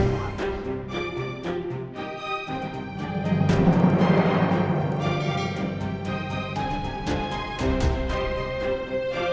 masih masih anak producer